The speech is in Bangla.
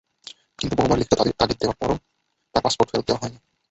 কিন্তু বহুবার লিখিত তাগিদ দেওয়ার পরও তাঁর পাসপোর্ট ফেরত দেওয়া হয়নি।